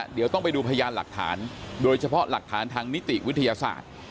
เดี๋ยวต้องไปดูพยานหลักฐานโดยเฉพาะหลักฐานทางนิติวิทยาศาสตร์